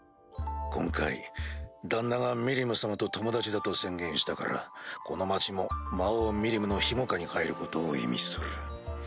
今回旦那がミリム様と友達だと宣言したからこの町も魔王ミリムの庇護下に入ることを意味する。